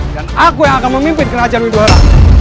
dan aku yang akan memimpin kerajaan winduara